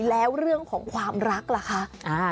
แล้วเรื่องของความรักล่ะคะ